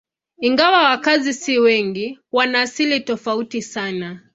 Ingawa wakazi si wengi, wana asili tofauti sana.